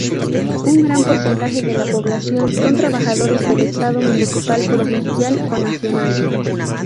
Un gran porcentaje de la población son trabajadores del estado municipal, provincial, o nacional.